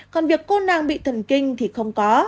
còn việc cô đang bị thần kinh thì không có